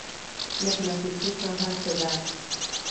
مقناطیسي ساحه څه ده؟